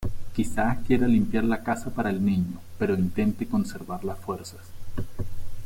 Quizá quiera limpiar la casa para el niño, pero intente conservar las fuerzas.